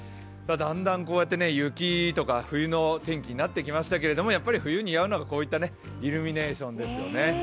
だんだんこうやって雪とか冬の天気になってきましたけどやっぱり冬に似合うのがこういったイルミネーションですよね。